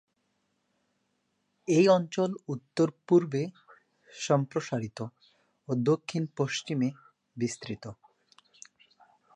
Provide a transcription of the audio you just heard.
এ অঞ্চল উত্তর-পূর্বে সম্প্রসারিত ও দক্ষিণ-পশ্চিমে বিস্তৃত।